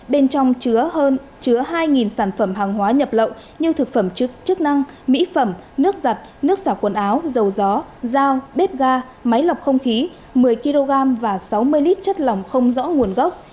bên trong chứa hơn chứa hai sản phẩm hàng hóa nhập lậu như thực phẩm chức năng mỹ phẩm nước giặt nước xả quần áo dầu gió dao bếp ga máy lọc không khí một mươi kg và sáu mươi lít chất lỏng không rõ nguồn gốc